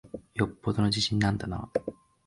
よっぽどの自信なんだなぁ。